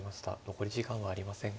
残り時間はありません。